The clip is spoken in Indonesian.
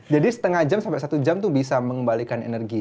jadi setengah jam sampai satu jam itu bisa mengembalikan energi